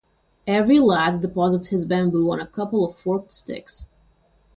Every lad deposits his bamboo on a couple of forked sticks.